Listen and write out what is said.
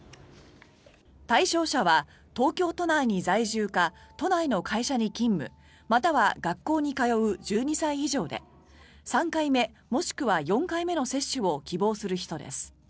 対象者は東京都内に在住か都内の会社に勤務または学校に通う１２歳以上で３回目もしくは４回目の接種を希望する人です。